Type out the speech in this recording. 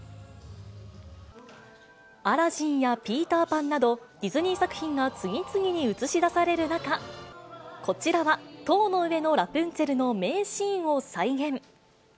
アラジンやピーター・パンなど、ディズニー作品が次々に映し出される中、こちらは塔の上のラプンツェルの名シーンを再現。